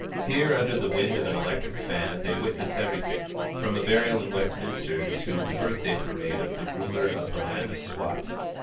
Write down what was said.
Here, under the wind of an electric fan, they witness everything, from a burial in Westminster to the birthday parade of the ruler of the land of Swat.